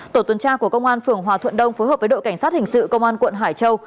tổ tuần tra của công an phường hòa thuận đông phối hợp với đội cảnh sát hình sự công an quận hải châu